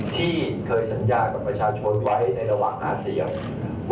ที่เคยสัญญากับประชาชนไว้ในระหว่างหาเสียง